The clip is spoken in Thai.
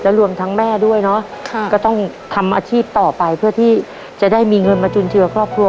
รวมทั้งแม่ด้วยเนาะก็ต้องทำอาชีพต่อไปเพื่อที่จะได้มีเงินมาจุนเจือครอบครัว